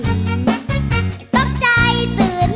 ตบใจตื่นมาเสียดายจังเสียดายจับเขาจริง